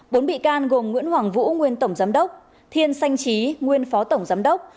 bốn bị can gồm nguyễn hoàng vũ nguyên tổng giám đốc thiên xanh trí nguyên phó tổng giám đốc